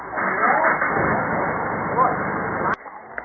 บ๊ายบายครับ